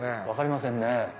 分かりませんね。